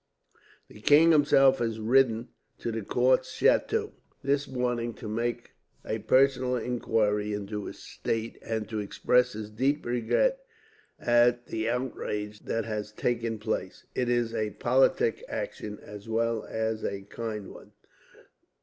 "The king himself has ridden to the count's chateau, this morning, to make personal inquiries into his state, and to express his deep regret at the outrage that has taken place. It is a politic action, as well as a kind one.